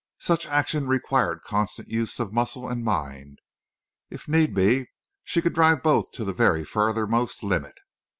Such action required constant use of muscle and mind. If need be she could drive both to the very furthermost limit.